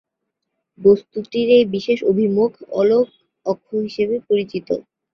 বস্তুটির এই বিশেষ অভিমুখ, আলোক অক্ষ হিসেবে পরিচিত।